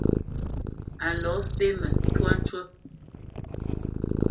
A lɔ fémə ntwá ncú.